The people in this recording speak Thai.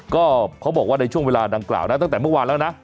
ก็เขาบอกว่าในช่วงเวลาดังกล่าวนะตั้งแต่เมื่อวานแล้วนะ